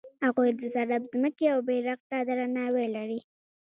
هغوی د صرب ځمکې او بیرغ ته درناوی لري.